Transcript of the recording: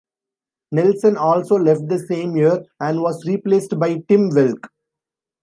Nelson also left the same year, and was replaced by Tim Welch.